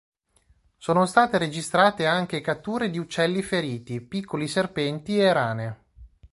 Sono state registrate anche catture di uccelli feriti, piccoli serpenti e rane.